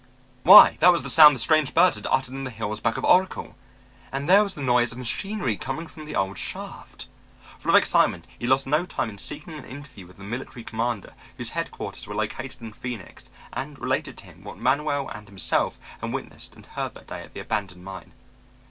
Why, that was the sound the strange birds had uttered in the hills back of Oracle. And there was the noise of machinery coming from the old shaft. Full of excitement he lost no time in seeking an interview with the military commander whose headquarters were located in Phoenix and related to him what Manuel and himself had witnessed and heard that day at the abandoned mine.